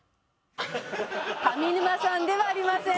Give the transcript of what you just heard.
上沼さんではありません。